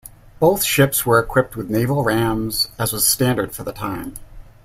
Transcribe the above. Both ships were equipped with naval rams as was standard for the time.